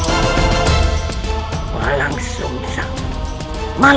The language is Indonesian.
apa yang dilakukan